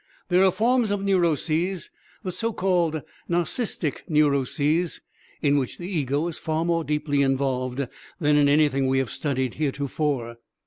There are forms of neuroses, the so called narcistic neuroses, in which the ego is far more deeply involved than in anything we have studied heretofore.